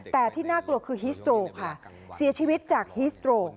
แต่ที่น่ากลัวคือฮิสโตรค่ะเสียชีวิตจากฮิสโตรก